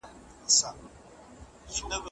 سپی لا هم په وفادارۍ سره د خپل محسن تر څنګ ولاړ و.